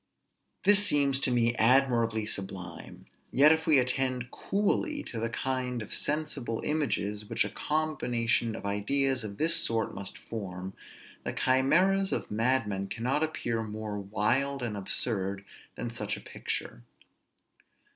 This seems to me admirably sublime: yet if we attend coolly to the kind of sensible images which a combination of ideas of this sort must form, the chimeras of madmen cannot appear more wild and absurd than such a picture.